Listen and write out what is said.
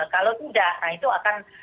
kalau tidak itu akan